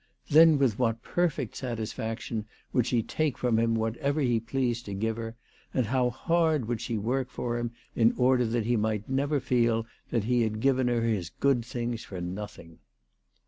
Then with what perfect satisfaction would she take from him whatever he pleased to give her, and how hard would she work for him in order that he might never feel that he had given her his good things for nothing